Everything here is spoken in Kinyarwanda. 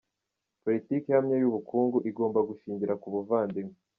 Politiki ihamye y’ubukungu, igomba gushingira ku buvandimwe.